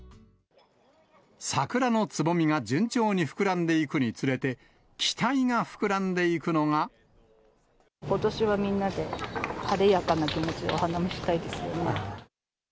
桜のつぼみが順調に膨らんでいくにつれて、期待が膨らんでいくのことしはみんなで、晴れやかな気持ちでお花見したいですよね。